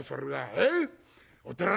「えっ？